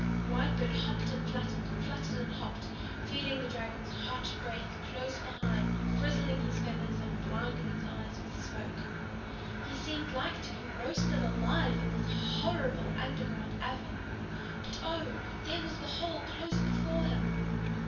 Whitebird hopped and fluttered, fluttered and hopped, feeling the dragon's hot breath close behind frizzling his feathers and blinding his eyes with smoke. He seemed like to be roasted alive in this horrible underground oven. But oh, there was the hole close before him!